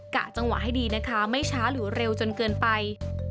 กะจังหวะให้ดีนะคะไม่ช้าหรือเร็วจนเกินไป